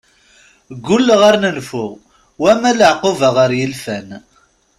Gulleɣ ar nenfu, wala laɛquba ɣer yilfan.